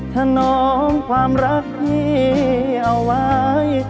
ถนอมความรักพี่เอาไว้